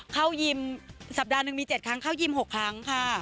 ยิมสัปดาห์หนึ่งมี๗ครั้งเข้ายิม๖ครั้งค่ะ